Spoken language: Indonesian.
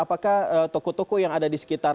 apakah toko toko yang ada di sekitar